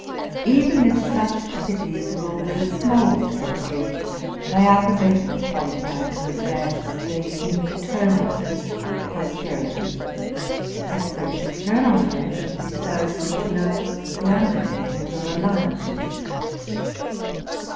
Even if such cities rule but a small territory, they are the better qualified to advance their internal prosperity ; as their external relations expose them to no costly undertakings or alliances.